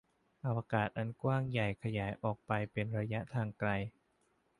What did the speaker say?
อวกาศอันกว้างใหญ่ขยายออกไปเป็นระยะทางไกล